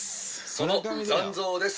その残像です。